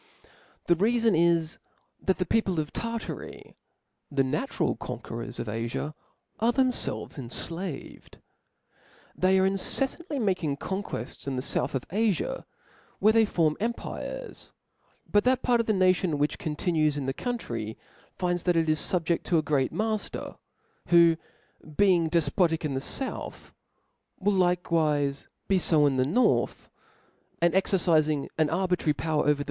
The reafon is, that the people of Tartary, the natural ccuiqaerors of Afia, are themfelves enflaved. They are inceflantly making conquefts in the fouth pf Afia, where they form empires \ but that part of 4 the 3g6 T JH E S P I R I T 'xvir^ the nation which continues, in the country, fin4 Chap. ^^ that they are fubjeft to a great mailer, who, being dcipotic in the fouth^ will likewife be (b in the north, and exercifing an arbitrary power over the